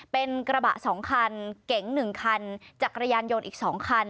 เป็นกระบะ๒คันเก๋ง๑คันจักรยานยนต์อีก๒คัน